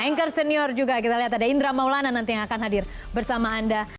anchor senior juga kita lihat ada indra maulana nanti yang akan hadir bersama anda